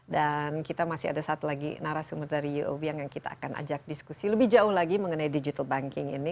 dan kita masih ada saat lagi narasumber dari uob yang kita akan ajak diskusi lebih jauh lagi mengenai digital banking ini